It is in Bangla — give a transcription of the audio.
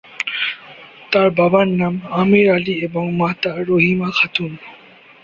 তার বাবার নাম আমীর আলী এবং মাতা রহিমা খাতুন।